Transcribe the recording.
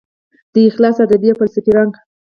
د اخلاص ادبي او فلسفي رنګ